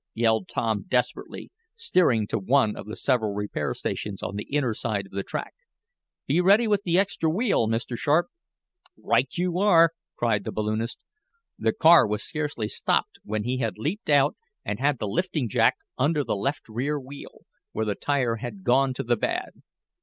yelled Tom desperately, steering to one of the several repair stations on the inner side of the track. "Be ready with the extra wheel, Mr. Sharp!" "Right you are!" cried the balloonist. The car was scarcely stopped when he had leaped out, and had the lifting jack under the left rear wheel, where the tire had gone to the bad.